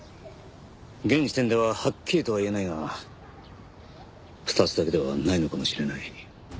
現時点でははっきりとは言えないが２つだけではないのかもしれない。